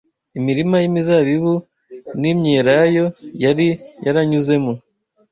Imirima y’imizabibu n’imyelayo yari yaranyuzemo